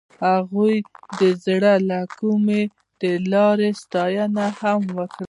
هغې د زړه له کومې د لاره ستاینه هم وکړه.